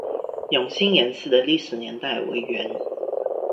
永兴岩寺的历史年代为元。